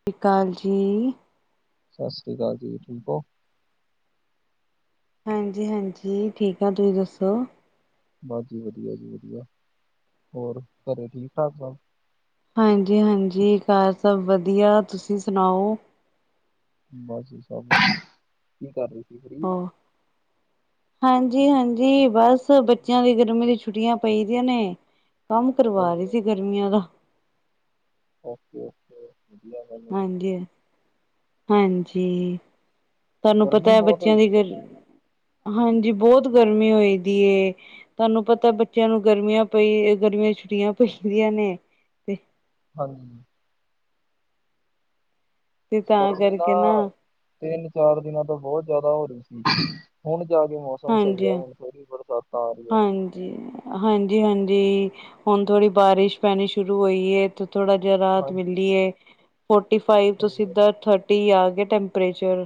ਸਤਿ ਸ਼੍ਰੀ ਅਕਾਲ ਜੀ। ਸਤਿ ਸ੍ਰੀ ਅਕਾਲ ਜੀ, ਠੀਕ ਹੋ। ਹਾਂਜੀ -ਹਾਂਜੀ ਠੀਕ ਆ ਤੁਸੀਂ ਦੱਸੋ? ਬਸ ਜੀ ਵਧੀਆ ਜੀ ਵਧੀਆ, ਹੋਰ ਘਰੇ ਠੀਕ ਠਾਕ ਸਾਬ? ਹਾਂਜੀ -ਹਾਂਜੀ ਘਰ ਸਭ ਵਧੀਆ ਤੁਸੀਂ ਸੁਣਾਓ। ਬਸ ਜ ਸਭ, ਕੀ ਕਰ ਰਹੀ ਸੀ ਫੀ ਹੋ [inaudible] ਹਾਂਜੀ -ਹਾਂਜੀ ਬਸ ਬੱਚਿਆਂ ਦੀ ਗਰਮੀ ਦੀ ਛੁੱਟੀਆਂ ਪਈ ਦੀਆਂ ਨੇ ਕੰਮ ਕਰਵਾ ਰਹੀ ਹਾਂਜੀ ਸੀ ਗਰਮੀਆਂ ਦਾ। Okay -okay. ਵਧੀਆ ਗੱਲ ਹੈ ਹਾਂਜੀ -ਹਾਂਜੀ। ਤੁਹਾਨੂੰ ਪਤਾ ਗਰਮੀ ਹੈ ਬਹੁਤ ਬੱਚਿਆਂ ਹੋਈ ਦੀ ਸੀ ਅੱਜ। ਗਰ, ਹਾਂਜੀ ਬਹੁਤ ਗਰਮੀ ਹੋਏ ਦੀ ਤੁਹਾਨੂੰ ਪਤਾ ਬੱਚਿਆਂ ਨੂੰ ਗਰਮੀਆਂ ਪਈ ਗਰਮੀਆਂ ਛੁੱਟੀਆਂ ਪੈਂਦੀਆਂ ਨੇ। ਤੇ ਹਾਂਜੀ। ਤੇ ਤਾਂ ਗਰਮੀ ਨਾ ਕਰਕੇ ਤਿੰਨ ਚਾਰ ਦਿਨਾਂ ਤੋਂ ਬਹੁਤ ਜਿਆਦਾ ਹੋ ਰਹੀ ਸੀ ਹੁਣ ਜਾ ਕੇ ਮੌ ਮੌਸਮ ਸਹੀ ਹੈ ਹਾਂਜੀ ਹੁਣ ਫਰ ਵੀ ਬਰਸਾਤਾਂ ਆ ਰਹੀ ਹੈ। ਹਾਂਜੀ। ਹਾਂਜੀ -ਹਾਂਜੀ, ਹੁਣ ਥੋੜੀ ਬਾਰਿਸ਼ ਪੈਣੀ ਸ਼ੁਰੂ ਹੋਈ ਥੋੜਾ ਜਿਹਾ ਰਾਹਤ ਹਾਂਜੀ ਮਿਲੀਏ ਫੋਰਟੀ ਫਾਈਵ ਤੋਂ ਸਹੀ ਗੱਲ ਸਿਧਾ ਟੀ ਆ ਟੈਂਪਰੇਚਰ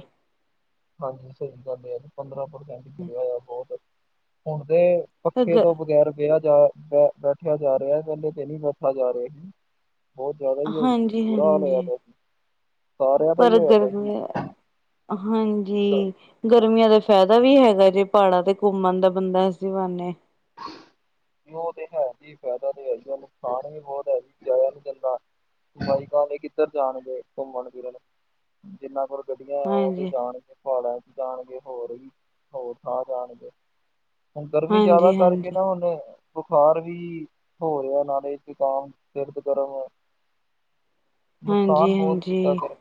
ਹਾਂਜੀ, ਸਹੀ ਗੱਲ ਆ ਤੇ ਪੰਦਰਾਂ ਪ੍ਰਸੈਂਟ ਮਿਲਿਆ ਆ ਬਹੁਤ ਹੁਣ ਤੇ ਅਗ ਪੱਖੇ ਤੋਂ ਬਗੈਰ ਬਿਹਾ ਜਾ ਬੈਠਿਆ ਜਾ ਰਿਹਾ ਐ, ਪਹਿਲੇ ਤੇ ਨਹੀਂ ਬੈਠਾ ਜਾ ਰਿਹਾ ਸੀ। ਬਹੁਤ ਜ਼ਿਆਦਾ ਹੀ ਹੋਈ ਹਾਂਜੀ, ਸੀ ਬੁਰਾ ਹਾਲ ਹੋਯਾ ਹਾਂਜੀ ਪਯਾ, ਸਾਰਿਆਂ ਦਾ ਹੀ ਹੋਇਆ ਪਯਾ ਸੀ। ਆਹਾ ਹਾਂਜੀ ਗ। ਗਰਮੀਆਂ ਦਾ ਫਾਇਦਾ ਵੀ ਹੈਗਾ ਜੇ, ਪਹਾੜਾਂ ਤੇ ਘੁੰਮਣ ਦਾ ਬੰਦਾ ਐਸੀਂ ਬਹਾਨੇ। ਉਹ ਤੇ ਹੈ ਹੀ ਫਾਇਦਾ ਤੇ ਹੈ ਈ ਐ, ਨੁਕਸਾਨ ਹੀ ਬਹੁਤ ਹੈ ਵੀ, ਜਾਇਆ ਨ ਜਾਂਦਾ। ਬਾਈਕਾਂ ਦੇ ਕਿੱਧਰ ਜਾਣਗੇ ਘੁੰਮਣ ਫਿਰਨ, ਜਿੰਨਾ ਕੋਲ ਗੱਡੀਆਂ ਆ ਉਹ ਤੇ ਹਾਂਜੀ, ਜਾਣਗੇ। ਪਹਾੜਾ ਚ ਜਾਣਗੇ, ਹੋਰ ਵੀ ਹੋਰ ਥਾਂ ਜਾਣਗੇ। ਹੁਣ ਗਰਮੀ ਜਿਆਦਾ ਹਾਂਜੀ, ਕਰਕੇ ਹਾਂਜੀ, ਨਾ, ਔ ਨੇ ਬੁਖਾਰ ਵੀ ਹੋ ਰਿਹਾ, ਨਾਲੇ ਜੁਕਾਮ ਸਿਰਦ ਗਰਮ ਹੋਯਾ। [unintelligible] ਨੁਕਸਾਨ ਬਹੁਦ ਕੀਤਾ ਹਾਂਜੀ। ਕਰ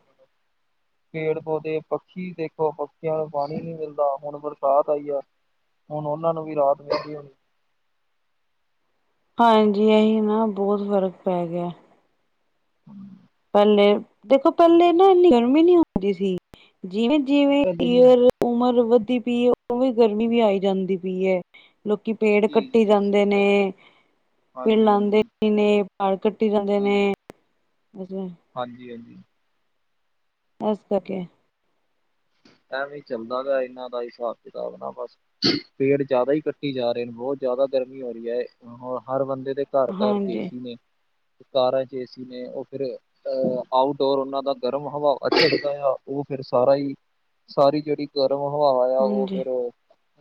ਪੇੜ ਪੌਦੇ ਪੱਖੀ ਦੇਖੋ, ਪੱਖੀਆਂ ਨੂੰ ਪਾਣੀ ਨੀ ਮਿਲਦਾ, ਹੁਣ ਬਰਸਾਤ ਆਈ ਆ। ਹੁਣ ਉਹਨਾਂ ਨੂੰ ਵੀ ਰਾਤ ਮਿਲਦੀ ਹੋ ਹੋਣੀ। ਹਾਂਜੀ, ਏਹੀ ਨਾ ਬਹੁਤ ਫ਼ਰਕ ਪੈ ਗਿਆ। ਹਮ, ਪਹਿਲੇ ਦੇਖੋ ਪਹਿਲੇ ਨਾ ਇੰਨੀ ਗਰਮੀ ਨੀ ਆਉਂਦੀ ਸੀ, ਜਿਵੇਂ ਜਿਵੇਂ ਪਹਿਲੇ ਨੀ ਯ ਉਮਰ ਵੱਧਦੀ ਪਈ ਹੈ, ਉਵੇ ਵੀ ਗਰਮੀ ਵੀ ਆਈ ਜਾਂਦੀ ਪਈ ਹੈ। ਲੋਕੀ ਪੇੜ ਜੀ ਕੱਟੀ ਜੀ ਜਾਂਦੇ ਸਹੀ ਗੱਲ ਨੇ, ਪੇੜ ਹਾਂਜੀ ਹਾਂਜੀ ਲਾਉਦੇ ਹੂੰ ਕਿਨੇ, ਪਹਾੜ ਕੱਟੀ ਜਾਂਦੇ ਨੇ ਦ ਹਾਂਜੀ -ਹਾਂਜੀ ਐਸ ਕਰਕੇ ਐਵੇ ਹੀ ਚੱਲਦਾ ਗਾ, ਇਹਨਾਂ ਦਾ ਹਿਸਾਬ ਕਿਤਾਬ ਨਾ ਬਸ ਪੇੜ ਜਿਆਦਾ ਹੀ ਕੱਟੀ ਜਾ ਰਹੇ ਨੇ, ਬਹੁਤ ਜ਼ਿਆਦਾ ਗਰਮੀ ਹੋ ਰਹੀ ਹੈ, ਹਰ ਬੰਦੇ ਦੇ ਘਰ ਘਰ ਚ, ਏ ਹਾਂਜੀ ਸੀ ਨੇ, ਕਾਰਾਂ ਚ ਏ ਸੀ ਨੇ, ਉਹ ਫਿਰ ਅਹ ਆਊਟਡੋਰ ਉਹਨਾਂ ਦਾ ਗਰਮ ਹਵਾ ਚੜਦਾ ਆ, ਉਹ ਫਿਰ ਸਾਰਾ ਹੀ ਸਾਰੀ ਜਿਹੜੀ ਗਰਮ ਹਵਾ ਆ, ਉਹ ਹਾਂਜੀ ਫਿਰ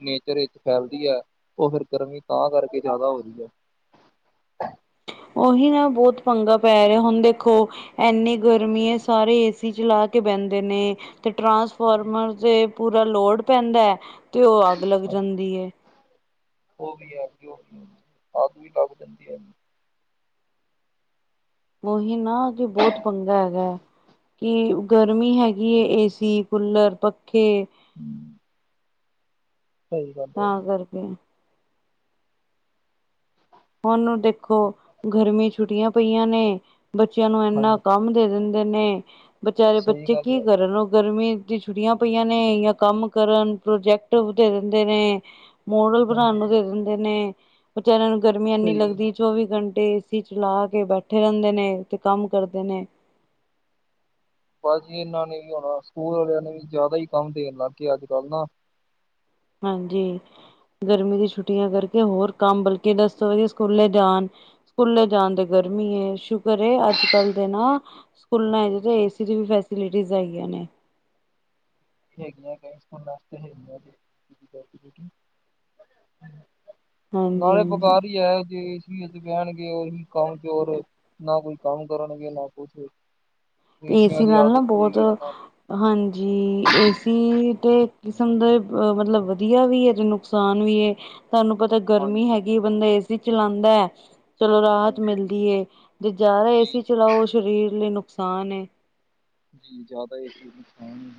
ਨੇਚਰ ਵਿੱਚ ਫੈਲਦੀ ਹੈ, ਉਹ ਫਿਰ ਗਰਮੀ ਤਾਂ ਕਰਕੇ ਜ਼ਿਆਦਾ ਹੋ ਰਹੀ ਹੈ। ਉਹੀ ਨਾ, ਬਹੁਤ ਪੰਗਾ ਪੈ ਰਿਹਾ, ਹੁਣ ਦੇਖੋ ਇੰਨੀ ਗਰਮੀ ਹੈ, ਸਾਰੇ ਏ ਸੀ ਚਲਾ ਕੇ ਬਹਿੰਦੇ ਨੇ, ਤੇ ਟਰਾਂਸਫੋਾਰਮਰ ਤੇ ਪੂਰਾ ਲੋਡ ਪੈਂਦਾ ਐ, ਤੇ ਉਹ ਅੱਗ ਲੱਗ ਜਾਂਦੀ ਹੈ। ਔ ਵੀ ਹੈ, ਜੋ ਅਗ ਵੀ ਤਾਂ ਵਧਦੀ ਹੈ। ਔ ਹੀ ਨਾ, ਜੇ ਬਹੁਤ ਪੰਗਾ ਹੈਗਾ ਹੈ। ਕਿ ਗਰਮੀ ਹੈਗੀ ਐ, ਏ ਸੀ, ਕੂਲਰ, ਪੱਖੇ ਹੂ ਤਾਂ ਕਰਕੇ ਔ ਨੂੰ ਦੇਖੋ। ਗਰਮੀ ਛੁੱਟੀਆਂ ਪਈਆਂ ਨੇ, ਬੱਚਿਆਂ ਨੂੰ ਇਨਾ ਹਾਂਜੀ ਕੰਮ ਦੇ ਦਿੰਦੇ ਨੇ। ਬੇਚਾਰੇ ਸਹੀ ਬੱਚੇ ਗੱਲ ਕੀ ਹੈ ਕਰਨ, ਉਹ ਗਰਮੀ ਦੀ ਛੁਟੀਆਂ ਪਈਆਂ ਨੇ, ਜਾਂ ਕੰਮ ਕਰਨ, ਪ੍ਰੋਜੈਕਟ ਵਧੇ ਰਹਿੰਦੇ ਨੇ। ਮੋਡਲ ਬਣਾਉਣ ਹਾਂਜੀ ਨੂੰ ਦੇ ਦਿੰਦੇ ਨੇ, ਵਿਚਾਰਿਆਂ ਨੂੰ ਗਰਮੀ ਇੰਨੀ ਸਹੀ ਗੱਲ ਲੱਗਦੀ। ਚੌਵੀ ਘੰਟੇ ਏ ਸੀ ਚਲਾ ਕੇ ਬੈਠੇ ਰਹਿੰਦੇ ਨੇ, ਤੇ ਕੰਮ ਕਰਦੇ ਨੇ। ਬ ਜੀ ਇਹਨਾਂ ਨੇ ਵੀ ਹੋਣਾ ਸਕੂਲ ਵਾਲਿਆਂ ਨੇ ਵੀ ਜ਼ਿਆਦਾ ਹੀ ਕੰਮ ਦੇਣ ਲੱਗ ਗਏ ਅੱਜ ਕੱਲ੍ਹ ਨਾ ਹਾਂਜੀ ਗਰਮੀ ਦੀ ਛੁੱਟੀਆਂ ਕਰਕੇ ਹੋਰ ਕੰਮ ਬਲਕਿ ਦਸ ਵਜੇ ਸਕੂਲੇ ਜਾਣ ਸਕੂਲੇ ਜਾਣ ਦੇ ਗਰਮੀ ਏ, ਸ਼ੁਕਰ ਏ ਅੱਜ ਕੱਲ ਦੇ ਨਾ ਖੂਲਣਾ ਹੈ ਏਜੀ, ਏ ਸੀ ਦੇ ਵੀ ਫੈਸਿਲਿਟੀਜ਼ ਹੈਗੀਆਂ ਨੇ ਹੈਗੀਆਂ ਵਸਤੇ ਹੈਗ ਹ [unintelligible] ਹਾਂਜੀ ਨਾਲੇ ਹਾਂਜੀ ਬੁਕਾਰ ਹੀ ਹੈ, ਐਦੇ ਵਿਚ ਕਹੀ ਵਾਰੀ ਬਹਿਣਗੇ ਕਾਮਚੋਰ, ਨਾ ਕੋਈ ਕੰਮ ਕਰਨਗੇ ਨਾ ਕੁਛ ਏ ਏਸੀਆਂ ਸੀ ਦੀ ਨਾਲ ਨਾ ਆਦਤ ਬਹੁਤ ਪਏਗੀ ਉਹਨਾਂ ਹਾਂਜੀ, ਏ ਸੀ ਤਾਂ ਇੱਕ ਕਿਸਮ ਦਾ ਮਤਲਬ ਵਧੀਆ ਵੀ ਹੈ, ਅਤੇ ਨੁਕਸਾਨ ਵੀ ਹੈ। ਤੁਹਾਨੂੰ ਪਤਾ ਨੂੰ ਗਰਮੀ ਹਾਂਜੀ ਹੈਗੀ ਹੈ, ਬੰਦਾ ਏਸੀ ਚਲਾਉਂਦਾ ਹੈ। ਚਲੋ ਰਾਹਤ ਹਾਂਜੀ ਮਿਲਦੀ ਹੈ ਜ ਜ਼ਿਆਦਾ ਏ ਜੀ ਸੀ ਚਲਾਓ ਸਰੀਰ ਲਈ ਨੁਕਸਾਨ ਹੈ। ਜੀ ਜ਼ਿਆਦਾ ਇਹ ਚੀ ਨ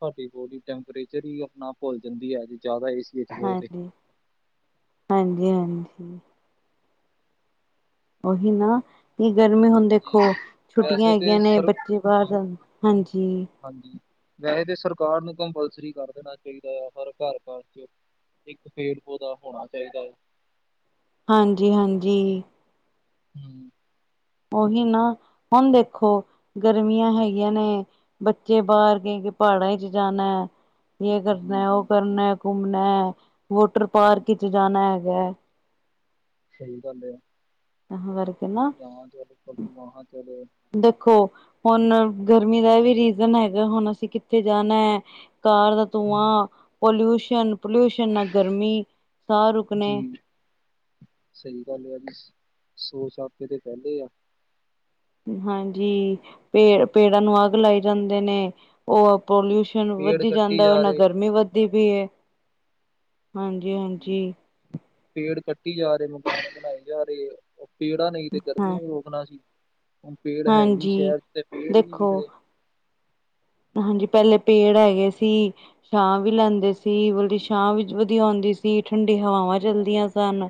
ਸਾਡੀ ਬੋਡੀ ਟੈਂਪਰੇਚਰ ਹੀ ਆਪਣਾ ਭੁੱਲ ਜਾਂਦੀ ਹੈ ਜੇ ਜ਼ਿਆਦਾ ਇਸ ਹਾਂਜੀ, ਹਾਂਜੀ, ਹਾਂਜੀ। ਉਹੀ ਨਾ ਗਰਮੀ ਹੁਣ ਜੀ ਦੇਖੋ ਛੁੱਟੀਆਂ ਵੈਸੇ ਤੇ ਹੈਗੀਆਂ ਨੇ ਸਰ ਬੱਚੇ ਬਾਹਰ ਹਾਂਜੀ ਹਾਂਜੀ ਵੈਸੇ ਤਾਂ ਸਰਕਾਰ ਨੂੰ ਕੰਪਲਸਰੀ ਕਰ ਦੇਣਾ ਚਾਹੀਦਾ ਆ ਹਰ ਘਰ, ਘਰ ਚ ਇੱਕ ਪੇੜ ਪੌਦਾ ਹੋਣਾ ਚਾਹੀਦਾ ਹੈ। ਹਾਂਜੀ, ਹਾਂਜੀ ਹਮ [unintelligible] ਉਹੀ ਨਾ ਹੁਣ ਦੇਖੋ ਗਰਮੀਆਂ ਹੈਗੀਆਂ ਨੇ ਬੱਚੇ ਬਾਹਰ ਕਏ ਕੇ ਪਹਾੜਾਂ ਚ ਜਾਣਾ। ਯ ਜੀ ਜੀ ਕਰਨਾ ਉਹ ਜੀ, ਕਰਨਾ ਘੁੰਮਣਾ ਵਾਟਰ ਹੂੰ, ਪਾਰਕ ' ਜਾਣਾ ਹੈਗਾ। ਸਹੀ ਗੱਲ ਆ। ਤਾਂ ਕਰਕੇ ਨਾ ਯਹਾਂ ਚਲੋ ਕਭੀ ਵਹਾਂ ਚਲੇ, ਦੇਖੋ ਹੁਣ ਗਰਮੀ ਦਾ ਵੀ ਰੀਜ਼ਨ ਹੈਗਾ ਹੁਣ ਅਸੀਂ ਕਿੱਥੇ ਜਾਣਾ ਹੈ। ਕਾਰ ਦਾ ਹੂੰ, ਧੂੰਆਂ ਪੋਲਿਊਸ਼ਨ, ਪੋਲਿਊਸ਼ਨ ਨਾ ਗਰਮੀ ਸਾਹ ਰੁਕਣੇ ਜੀ ਸਹੀ ਗੱਲ ਆ ਵੀ ਸੌ ਸਤੇ ਤੇ ਪਹਿਲੇ ਆ ਹਾਂਜੀ ਪੇ ਪੇੜਾਂ ਨੂੰ ਅੱਗ ਲਾਈ ਜਾਂਦੇ ਨੇ ਉਹ ਪੋਲਿਊ ਸ਼ਨ ਪੇੜ ਵਧੀ ਕੱਟੀ ਜਾਂਦਾ ਜਾ ਨਾ ਰਹੇ। ਗਰਮੀ ਵੱਧਦੀ ਪਈ ਹੈ ਹਾਂਜੀ, ਜੀ ਜੀ ਹਾਂਜੀ। ਪੇੜ ਕੱਟੀ ਜਾ ਰਹੇ ਮਕਾਨ ਬਣਾਏ ਜਾ ਰਹੇ ਉਹ ਪੇੜਾ ਨਹੀਂ ਤੇ ਗਰਮੀ ਹਾਂ ਨੂੰ ਰੋਕਣਾ ਸੀ। ਹੁਣ ਪੇੜ ਹੈਗੇ ਨੀ ਹਾਂਜੀ ਸ਼ਹਿਰ ਤੇ ਪੇੜ ਹੀ ਨੀ ਦੇਖੋ ਵਿਖਦੇ। ਹਾਂਜੀ ਪਹਿਲੇ ਪੇੜ ਹੈਗੇ ਸੀ। ਛਾਂ ਵੀ ਲੈਂਦੇ ਸੀ ਮਤਲਬ ਛਾਹ ਵੀ ਵਧੀਆ ਆਉਂਦੀ ਸੀ ਠੰਡੀ ਹਵਾਵਾਂ ਹਾਂ, ਚਲਦੀਆਂ ਸਨ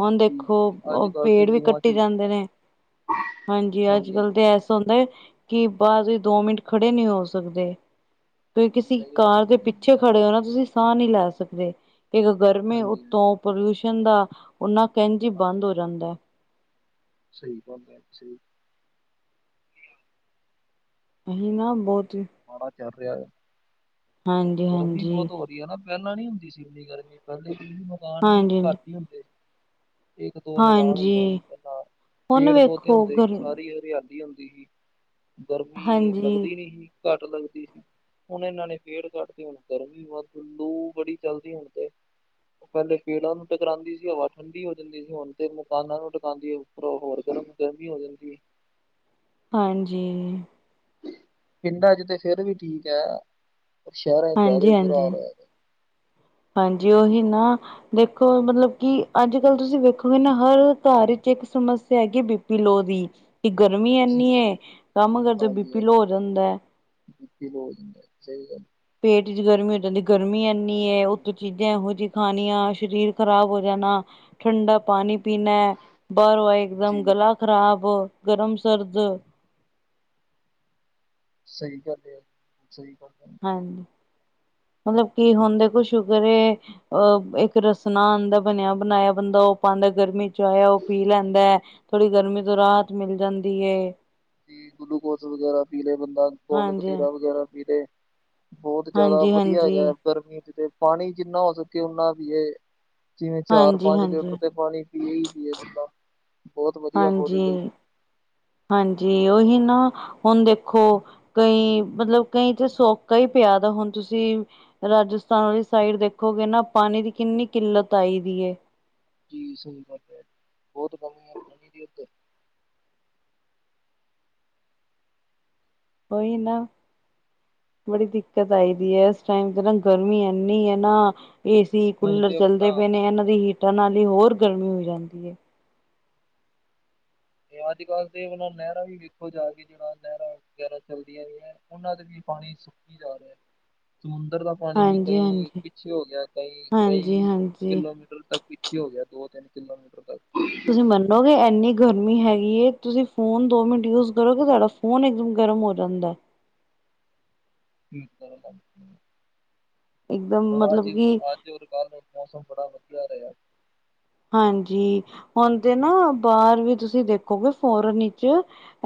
ਹੁਣ ਜੀ ਦੇਖੋ ਜੀ, ਅੱਜ ਉਹ ਕੱਲ੍ਹ ਤੇ ਪੇੜ ਵੀ ਲੂਆਂ ਕੱਟੀ ਜਾਂਦੇ ਚੱਲਦੀਆਂ, ਨੇ ਹਾਂਜੀ ਅੱਜ ਕੱਲ੍ਹ ਤਾਂ ਐ ਹੁਦਾ ਕਿ ਬਾਅਦ ਦੋ ਮਿੰਟ ਖੜੇ ਨਹੀਂ ਹੋ ਸਕਦੇ। ਤੁਸੀਂ ਕਿਸੇ ਨਹੀਂ ਹੋ ਕਾਰ ਦੇ ਸਕਦੇ ਪਿੱਛੇ ਖੜੇ ਹੋ ਨਾ ਤੁਸੀਂ ਸਾਹ ਨਹੀਂ ਲੈ ਸਕਦੇ ਇੱਕ ਗਰਮੀ ਹਾਂਜੀ ਹਾਂਜੀ ਉੱਤੋਂ ਪੋਲਿਊਸ਼ਨ ਦਾ ਓਨਾ ਕਹਿੰਦੀ ਬੰਦ ਹਾਂਜੀ ਹੋ ਜਾਂਦਾ। ਸਹੀ ਗੱਲ ਹੈ ਸਹੀ ਅਹੀ ਨਾ ਬਹੁਤ ਹੀ ਮਾੜਾ ਚੱਲ ਰਿਹਾ ਹੈ ਹਾਂਜੀ ਗਰਮੀ ਹਾਂਜੀ ਬਹੁਤ ਹੋ ਹਨਾ ਪਹਿਲਾਂ ਨੀ ਹੁੰਦੀ ਸੀ ਇੰਨੀ ਗਰਮੀ ਪਹਿਲੇ ਮਕਾਨ ਵੀ ਹਾਂਜੀ ਹਾਂਜੀ ਘੱਟ ਹੀ ਹੁੰਦੇ। ਇੱਕ ਦੋ ਮਕਾਨ ਹੁੰਦੇ ਸੀ ਹਾਂਜੀ ਪਹਿਲਾਂ ਹੁਣ ਪੇੜ ਪੌਦੇ ਵੇਖੋ ਹੁੰਦੇ ਸੀ ਗਰ ਸਾਰੀ ਹਰਿਆਲੀ ਹੁੰਦੀ ਸੀ ਗਰਮੀ ਹਾਂਜੀ ਲੱਗਦੀ ਨਹੀ ਸੀ ਘੱਟ ਲੱਗਦੀ ਸੀ। ਹੁਣ ਇਹਨਾਂ ਨੇ ਪੇੜ ਕੱਢਦੀ ਹੁਣ ਗਰਮੀ ਲੂ ਬੜੀ ਚੱਲਦੀ ਹੁਣ ਤੇ ਪਹਿਲੇ ਪੇੜਾਂ ਨੂੰ ਟਕਾਉਂਦੀ ਸੀ ਹਵਾ ਠਡੀ ਠੰਡੀੀ ਹੋ ਜਾਂਦੀ ਸੀ ਹੁਣ ਤੇ ਮਕਾਨਾਂ ਨੂੰ ਟਕਾਉਂਦੀ ਉਰੋਂ ਹੋਰ ਗਰਮ ਗਰਮੀ ਹੋ ਜਾਂਦੀ। ਹਾਂਜੀ। ਪਿੰਡਾਂ ਚ ਤੇ ਫਿਰ ਵੀ ਠੀਕ ਹੈ। ਪਰ ਸ਼ਹਿਰਾਂ 'ਚ ਜ਼ਿਆਦਾ ਹਾਂਜੀ, ਹੀ ਬੁਰਾ ਹਾਂਜੀ, ਹਾਲ ਹੋਇਆ ਪਿਆ। ਹਾਂਜੀ ਉਹੀ ਨਾ ਦੇਖੋ, ਮਤਲਬ ਕਿ ਅੱਜ ਕੱਲ ਤੁਸੀਂ ਵੇਖੋਗੇ ਨਾ ਹਰ ਘਰ ਵਿੱਚ ਇੱਕ ਸਮੱਸਿਆ ਹੈਗੀ। ਬ ਪੀਲੋ ਦੀ ਕਿ ਗਰਮੀ ਜੀ ਇਨੀ ਜੀ ਕੰਮ ਕਰਦੇ ਬੀ ਪੀ ਲੋ ਹੋ ਜਾਂਦਾ। ਬੀ ਪੀ ਲੋ ਹੋ ਜਾਂ ਸਹੀ ਗੱਲ ਪੇਟ ਚ ਗਰਮੀ ਹੋ ਜਾਂਦੀ, ਗਰਮੀ ਇੰਨੀ ਹੈ ਉੱਥੋਂ ਚੀਜ਼ਾਂ ਇਹੋ ਜਿਹੀ ਖਣੀਆਂ ਸਰੀਰ ਖ਼ਰਾਬ ਹੋ ਜਾਣਾ ਠੰਡਾ ਪਾਣੀ ਪੀਣਾ ਏ ਬਾਹਰੋਂ ਆਏ ਇੱਕ ਜੀ ਦਮ ਗਲਾ ਖ਼ਰਾਬ ਗਰਮ ਸਰਦ ਸਹੀ ਗੱਲ ਹੈ, ਸਹੀ ਗੱਲ ਹੈ ਹਾਂਜੀ, ਮਤਲਬ ਕੀ ਹੁਣ ਦੇਖੋ ਸ਼ੂਕਰ ਏ ਅਹ ਇੱਕ ਰਸਣਾ ਆਉਂਦਾ ਬਣਿਆ ਬਣਾਇਆ ਬੰਦਾ ਉਹ ਪਾਉਂਦਾ ਗਰਮੀ ਚ ਆਇਆ ਉਹ ਪੀ ਲੈਂਦਾ। ਥੋੜੀ ਗਰਮੀ ਤੋਂ ਰਾਤ ਮਿਲ ਜਾਂਦੀ ਏ। ਗਲੂਕੋਜ ਵਗੈਰਾ ਪੀ ਲੇ ਬੰਦਾ, ਗੋਂਦ ਹਾਂਜੀ ਕਤੀਰਾ ਵਗੈਰਾ ਪੀ ਲੇ। ਬਹੁਤ ਜਿਆਦਾ ਹਾਂਜੀ ਵਧੀਆ ਹਾਂਜੀ ਹੈਗਾ। ਗਰਮੀ ਚ' ਤੇ ਪਾਣੀ ਜਿੰਨਾ ਹੋ ਸਕੇ ਓਨਾ ਪੀਵੋ। ਜਿਵੇਂ ਚਾਰ ਹਾਂਜੀ -ਪੰਜ ਲੀਟਰ ਹਾਂਜੀ ਤੇ ਪਾਣੀ ਪੀਏ ਹੀ ਪੀਏ ਬੰਦਾ। ਬਹੁਤ ਵਧੀਆ ਬੋਡੀ ਹਾਂਜੀ, ਲਈ, ਹਾਂਜੀ ਉਹੀ ਨਾ। ਹੁਣ ਦੇਖੋ, ਕਈ ਮਤਲਬ ਕਈ ਤੇ ਸੋਕਾ ਹੀ ਪਿਆ ਤਾਂ ਹੁਣ ਤੁਸੀਂ ਰਾਜਸਥਾਨ ਵਾਲੀ ਸਾਈਡ ਦੇਖੋਗੇ ਨਾ ਪਾਣੀ ਦੀ ਕਿੰਨੀ ਕਿੱਲਤ ਆਈ ਦੀ ਏ। ਜੀ ਸਹੀ ਗੱਲ ਹੈ, ਬਹੁਤ ਕਮੀ ਹੈ ਪਾਣੀ ਦੀ ਉੱਧ। ਰ ਓਹੀ ਨਾ। ਬੜੀ ਦਿੱਕਤ ਆਈ ਦੀ ਹੈ, ਇਸ ਟਾਈਮ ਤੇ ਨਾ ਗਰਮੀ ਇੰਨੀ ਹੈ ਨਾ ਏ ਸੀ, ਹੁਣ ਕੂਲਰ ਤੇ ਚੱਲਦੇ ਆਪਣਾ ਪਏ ਨੇ ਇਹਨਾਂ ਦੀ ਹੀਟਰ ਨਾਲ ਹੀ ਹੋਰ ਗਰਮੀ ਹੋ ਜਾਂਦੀ ਹੈ। ਤੇ ਅੱਜ ਕੱਲ੍ਹ ਤੇ ਵਲ ਨਹਿਰਾਂ ਵੀ ਵੇਖੋ ਜਾ ਕੇ ਜਿਹੜਾ ਨਹਿਰਾਂ ਵਗੈਰਾ ਚੱਲਦੀਆਂ ਰਹੀਆਂ। ਉਹਨਾਂ ਦਾ ਵੀ ਪਾਣੀ ਸੁੱਕੀ ਜਾ ਰਿਹਾ। ਸਮੁੰਦਰ ਦਾ ਪਾਣੀ ਵੀ ਹਾਂਜੀ ਕਈ ਹਾਂਜੀ ਪਿੱਛੇ ਹੋ ਗਿਆ। ਕਈ- ਕਈ ਹਾਂਜੀ ਹਾਂਜੀ ਕਿਲੋਮੀਟਰ ਤੱਕ ਵੀ। ਪਿਛੇ ਹੋ ਗਿਆ। ਦੋ- ਤਿੰਨ ਕਿਲੋਮੀਟਰ ਤੱਕ। ਤੁਸੀਂ ਮੰਨ ਕਿ ਇੰਨੀ ਗਰਮੀ ਹੈਗੀ ਹੈ, ਤੁਸੀਂ ਫੋਨ ਦੋ ਮਿੰਟ ਯੂਜ ਕਰੋਗੇ ਤੁਹਾਡਾ ਫੋਨ ਇਕਦਮ ਗਰਮ ਹੋ ਜਾਂਦਾ ਏ। ਇੱਕਦਮ ਔਰ ਅੱਜ, ਮਤਲਬ ਕਿ ਅੱਜ ਔਰ ਕੱਲ ਮੌਸਮ ਬੜਾ ਵਧੀਆ ਰਿਹਾ। ਹਾਂਜੀ। ਹੁਣ ਤੇ ਨਾ ਬਾਹਰ ਵੀ ਤੁਸੀਂ ਦੇਖੋਗੇ ਫੋਰਨ ਵਿੱਚ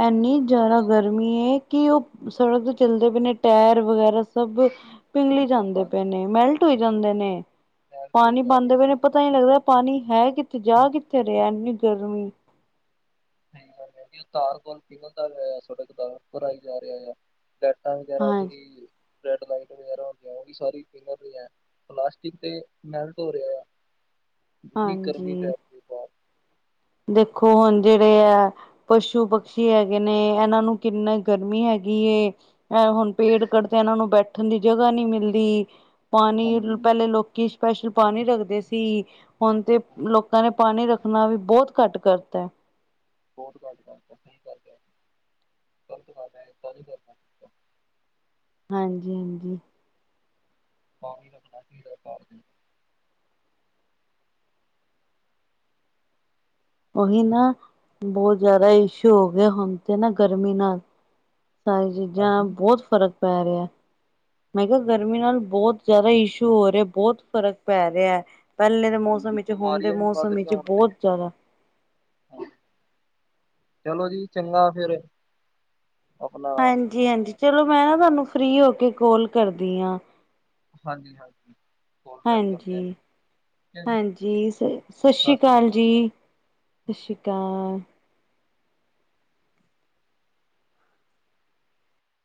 ਐਨੀ ਜਾਦਾ ਗਰਮੀ ਹਾਂਜੀ ਗਰਮੀ ਹੈ, ਕਿ ਉਹ ਸੜਕ ਤੋਂ ਚੱਲਦੇ ਪਏ ਨੇ ਟਾਇਰ ਵਗੈਰਾ ਸਭ ਪਿੰਗਲੀ ਜਾਂਦੇ ਹਾਂਜੀ ਪਏ ਨੇ। ਮੈਲਟ ਹੋਈ ਜਾਂਦੇ ਨੇ ਨਹਿਰ ਤੇ ਵੀ ਪਾਣੀ ਜਾ ਰਹੇ ਪਾਉਂਦੇ ਪਏ ਨੇ ਸੀ ਪਤਾ ਨ ਲੱਗਦਾ ਪਾਣੀ ਹੈ ਕਿਥੇ ਜਾ ਕਿੱਥੇ ਰਿਹਾ ਇੰਨੀ ਗਰਮੀ। ਸਹੀ ਗੱਲ ਹੈ। ਤਾਰ ਕੋਲ ਪੀਗਲ ਦਾ ਪਿਆ ਸੜਕ ਦਾ ਉਪਰ ਆਈ ਜਾ ਰਿਹਾ ਆ। ਲੈਟਾਂ ਵਗੈਰਾ ਹਾਂ ਜਿਹੜੀ ਰੈਡ ਲਾਈਟ ਵਗੈਰਾ ਹੁੰਦੀ ਆ ਉਹ ਵੀ ਸਾਰੀ ਪਿੰਗਲ ਰਹੀ ਹੈ। ਪਲਾਸਟਿਕ ਤੇ ਮੈਲਟ ਹੋ ਰਿਹਾ ਆ। ਐਨੀ ਗਰਮੀ ਹਾਂਜੀ ਪੈ ਰਹੀ ਬਾਰ ਦੇਖੋ ਹੁਣ ਜਿਹੜੇ ਆ ਪਸ਼ੂ ਪਕਸ਼ੀ ਹੈਗੇ ਨੇ ਇਹਨਾਂ ਨੂੰ ਕਿੰਨਾ ਗਰਮੀ ਹੈਗੀ ਏ। ਅ ਹੁਣ ਪੇੜ ਕੱਢਦੇ ਇਹਨਾਂ ਨੂੰ ਬੈਠਣ ਦੀ ਜਗ੍ਹਾ ਨਹੀ ਮਿਲਦੀ। ਪਾਣੀ ਹਾਂਜੀ। ਪਹਿਲੇ ਲੋਕ ਕੀ ਸਪੈਸ਼ਲ ਪਾਣੀ ਰੱਖਦੇ ਸੀ। ਹੁਣ ਤੇ ਹਾਂਜੀ, ਲੋਕਾਂ ਨੇ ਪਾਣੀ ਰੱਖਣਾ ਵੀ ਬਹੁਤ ਘੱਟ ਕਰਤਾ ਏ। ਬਹੁਤ ਘੱਟ ਕਰ ਤਾ ਸਹੀ ਗੱਲ ਹੈ। ਗਲਤ ਗੱਲ ਹੈ ਇਦਾਂ ਨਹੀਂ ਕਰਨਾ। ਚਾਹੀਦਾ। ਹਾਂਜੀ, ਹਾਂਜੀ। ਪਾਣੀ ਰੱਖਣਾ ਚਾਹੀਦਾ ਪਾਰਕ ਉਹੀ ਨਾ, ਬਹੁਤ ਜ਼ਿਆਦਾ ਇਸ਼ੂ ਹੋ ਗਏ, ਹੁਣ ਤੇ ਨਾ ਗਰਮੀ ਨਾਲ। ਸਾਰੀ ਚੀਜ਼ਾਂ ਹਾਂਜੀ, ਬਹੁਤ ਫ਼ਰਕ ਪੈ ਰਿਹਾ। ਮੈਂ ਕਿਹਾ, ਗਰਮੀ ਨਾਲ ਬਹੁਤ ਜਿਆਦਾ ਇਸ਼ੂ ਹੋ ਰਿਹਾ ਬਹੁਤ ਫ਼ਰਕ ਪੈ ਰਿਹਾ ਹੈ। ਪਹਿਲੇ ਦੇ ਮੌਸਮ ਵਿੱਚ ਹੁਣ ਦੇ ਬਿਮਾਰੀਆਂ ਵੀ ਵੱਧ ਮੌਸਮ ਵਿੱਚ ਰਹੀਆਂ ਹੁਣ ਤੇ ਬਹੁਤ ਜ਼ਿਆਦਾ ਚਲੋ ਜੀ, ਚੰਗਾ ਫੇਰ। ਹਾਂਜੀ- ਹਾਂਜੀ ਚਲੋ, ਮੈਂ ਨਾ ਤੁਹਾਨੂੰ ਫਰੀ ਹੋ ਕੇ ਕੋਲ ਕਰਦੀ ਹਾਂ। ਹਾਂਜੀ -ਹਾਂਜੀ। ਕੋਲ ਬੈਕ ਕਰਦੇ ਆ ਹਾਂਜੀ- ਠੀਕ ਹੈ ਜੀ ਹਾਂਜੀ। ਸ ਸਤਿ ਸ਼੍ਰੀ ਅਕਾਲ ਜੀ। ਸਿ ਸ਼੍ਰੀ ਕਾਲ।